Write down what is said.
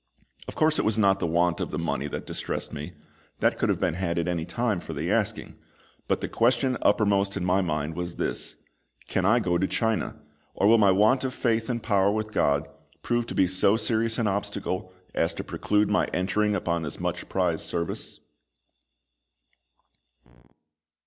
Of course it was not the want of the money that distressed me that could have been had at any time for the asking but the question uppermost in my mind was this: "Can I go to China? or will my want of faith and power with GOD prove to be so serious an obstacle as to preclude my entering upon this much prized service?"